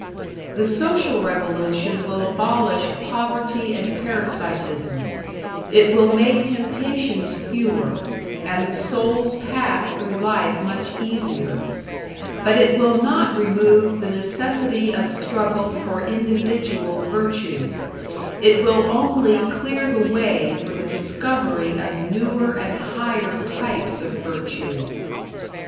The Social Revolution will abolish poverty and parasitism, it will make temptations fewer, and the soul's path through life much easier; but it will not remove the necessity of struggle for individual virtue, it will only clear the way for the discovery of newer and higher types of virtue.